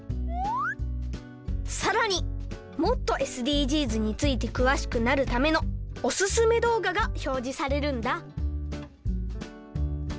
さらにもっとＳＤＧｓについてくわしくなるためのおすすめどうががひょうじされるんだ。